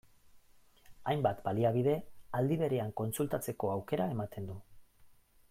Hainbat baliabide aldi berean kontsultatzeko aukera ematen du.